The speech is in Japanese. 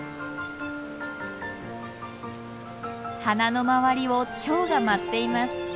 花の周りをチョウが舞っています。